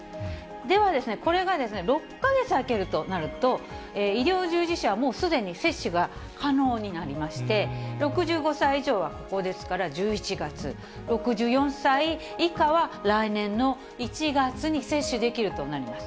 では、これが６か月空けるとなると、医療従事者はもうすでに接種が可能になりまして、６５歳以上はここですから１１月、６４歳以下は来年の１月に接種できるとなります。